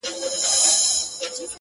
چي را نه سې پر دې سیمه پر دې لاره!!